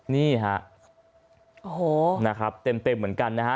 นี่ฮะโอ้โหนะครับเต็มเหมือนกันนะฮะ